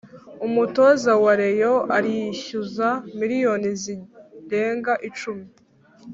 Umutoza wa reyo arishyuza miliyoni zirenga icumi